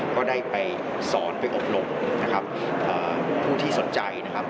ก็ได้ไปสอนไปอบรมนะครับผู้ที่สนใจนะครับ